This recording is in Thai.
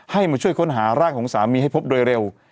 มาช่วยค้นหาร่างของสามีให้พบโดยเร็ว